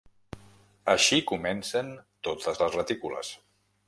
Així comencen totes les retícules.